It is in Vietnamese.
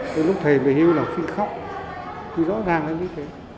tôi lúc thề về hưu là học sinh khóc tôi rõ ràng là như thế